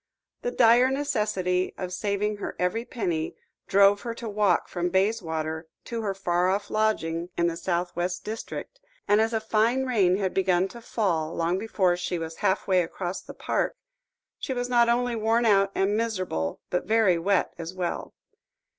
The dire necessity of saving her every penny, drove her to walk from Bayswater to her far off lodgings in the S.W. district, and as a fine rain had begun to fall long before she was half way across the park, she was not only worn out and miserable, but very wet as well.